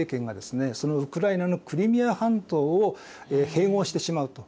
そのウクライナのクリミア半島を併合してしまうと。